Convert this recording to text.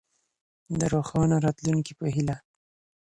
د روښانه راتلونکي په هيله.